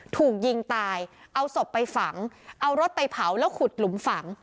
ถูกยิงตายเอาศพไปฝังเอารถไปเผาแล้วขุดหลุมฝัง